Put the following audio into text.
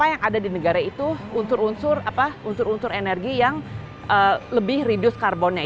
ada di negara itu unsur unsur apa unsur unsur energi yang lebih reduce carbonnya itu